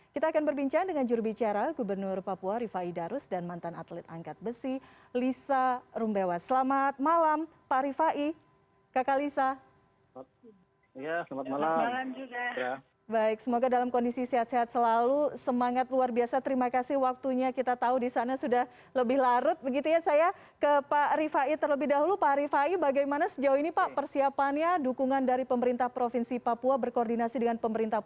kita akan berbincang dengan jurubicara gubernur papua rifai darus dan mantan atlet angkat besi lisa rumbewa selamat malam pak rifai kakak lisa